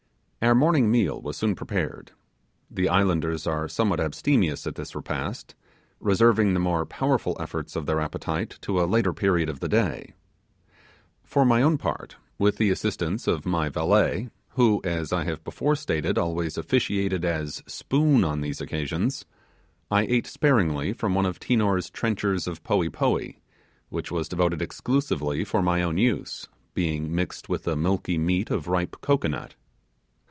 Our morning meal was soon prepared. The islanders are somewhat abstemious at this repast; reserving the more powerful efforts of their appetite to a later period of the day. For my own part, with the assistance of my valet, who, as I have before stated, always officiated as spoon on these occasions, I ate sparingly from one of Tinor's trenchers, of poee poee; which was devoted exclusively for my own use, being mixed with the milky meat of ripe cocoanut.